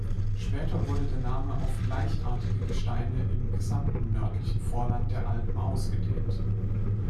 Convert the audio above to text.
Später wurde der Name auf gleichartige Gesteine im gesamten nördlichen Vorland der Alpen ausgedehnt.